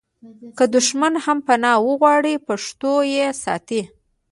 که دښمن هم پنا وغواړي پښتون یې ساتي.